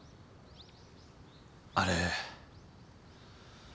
あれ。